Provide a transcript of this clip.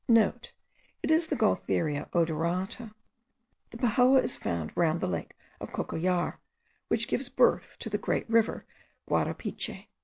*(* It is the Gualtheria odorata. The pejoa is found round the lake of Cocollar, which gives birth to the great river Guarapiche.